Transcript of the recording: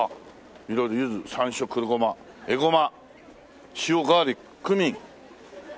色々「ゆず山椒黒ごまえごま塩ガーリッククミン」。